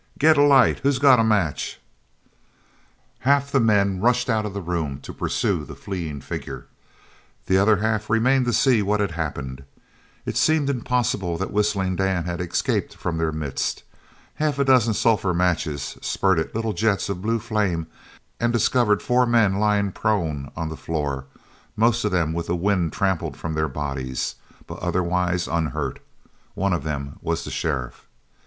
"Get a light! Who's got a match?" Half the men rushed out of the room to pursue that fleeing figure. The other half remained to see what had happened. It seemed impossible that Whistling Dan had escaped from their midst. Half a dozen sulphur matches spurted little jets of blue flame and discovered four men lying prone on the floor, most of them with the wind trampled from their bodies, but otherwise unhurt. One of them was the sheriff.